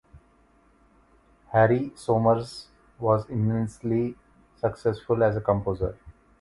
Harry Somers was immensely successful as a composer.